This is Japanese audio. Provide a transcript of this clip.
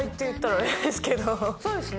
そうですね。